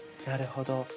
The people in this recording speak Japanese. なるほど。